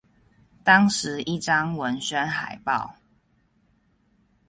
當時一張文宣海報